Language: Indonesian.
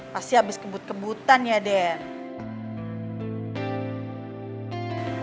pasti habis kebut kebutan ya den